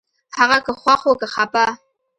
هغه که خوښ و که خپه